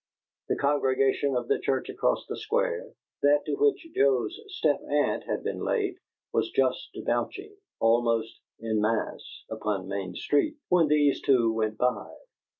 The congregation of the church across the Square, that to which Joe's step aunt had been late, was just debouching, almost in mass, upon Main Street, when these two went by.